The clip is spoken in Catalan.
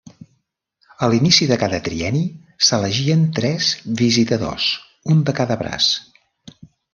A l'inici de cada trienni s'elegien tres visitadors, un de cada braç.